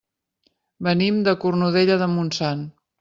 Venim de Cornudella de Montsant.